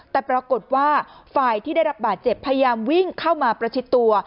แต่ปรากฏว่าฝ่ายที่ได้รับบาดเจ็บพยายามวิ่งเข้ามาประชิดตัว